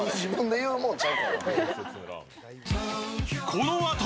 このあと